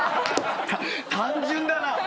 単純だな。